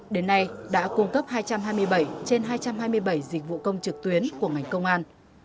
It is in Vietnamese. đến nay đã cung cấp hai trăm hai mươi bảy trên hai trăm hai mươi bảy dịch vụ công trực tuyến của ngành công an